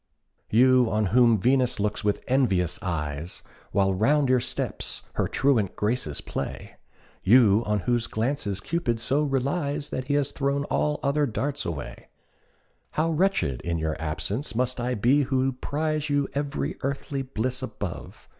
You on whom Venus looks with envious eyes, While round your steps her truant Graces play, You on whose glances Cupid so relies That he has thrown all other darts away; How wretched in your absence must I be Who prize you ev'ry earthly bliss above!